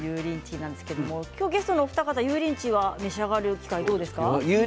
ゲストのお二方は油淋鶏は召し上がる機会どうですか。